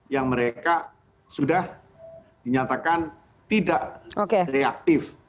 yang mereka sudah dinyatakan tidak reaktif